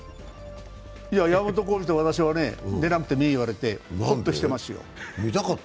いや、山本浩二と私は出なくてもいいと言われて、ほっとしてますよ。